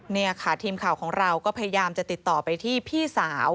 นี่ค่ะทีมข่าวของเราก็พยายามจะติดต่อไปที่พี่สาว